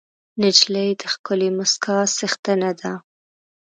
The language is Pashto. نجلۍ د ښکلې موسکا څښتنه ده.